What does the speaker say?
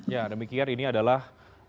ya demikian ini adalah